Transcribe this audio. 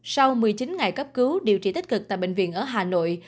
sau một mươi chín ngày cấp cứu điều trị tích cực tại bệnh viện ở hà nội